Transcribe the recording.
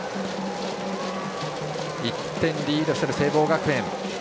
１点リードする聖望学園。